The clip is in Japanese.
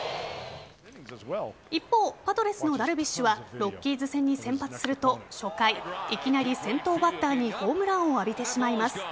一方、パドレスのダルビッシュはロッキーズ戦に先発すると初回、いきなり先頭バッターにホームランを浴びてしまいます。